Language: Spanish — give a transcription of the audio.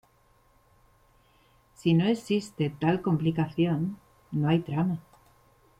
Si no existe tal complicación, no hay trama.